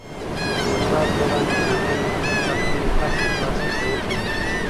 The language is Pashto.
د استاد په وړاندې زنګون وهل د پاچاهۍ د تخت تر لاسه کول دي.